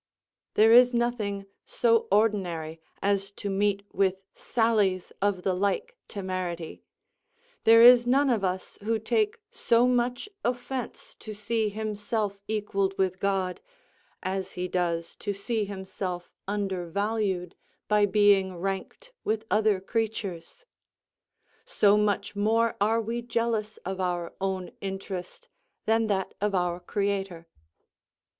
There is nothing so ordinary as to meet with sallies of the like temerity; there is none of us, who take so much offence to see himself equalled with God, as he does to see himself undervalued by being ranked with other creatures; so much more are we jealous of our own interest than that of our Creator.